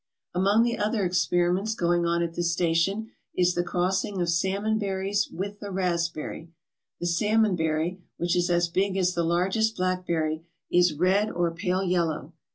Among the other experiments going on at this station is the crossing of salmonberries with the raspberry. The salmonberry, which is as big as the largest blackberry, is red or pale yellow.